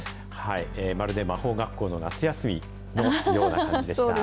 まるで魔法学校の夏休みのような感じでした。